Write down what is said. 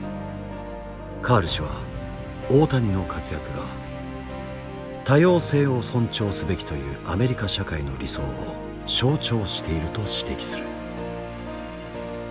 カール氏は大谷の活躍が多様性を尊重すべきというアメリカ社会の理想を象徴していると指摘する。